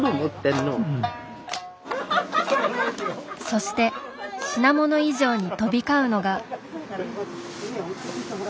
そして品物以上に飛び交うのが。